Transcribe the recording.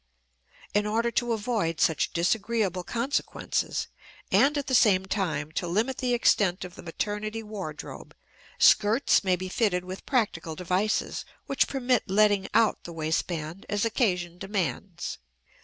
In order to avoid such disagreeable consequences, and at the same time to limit the extent of the maternity wardrobe, skirts may be fitted with practical devices which permit letting out the waistband as occasion demands.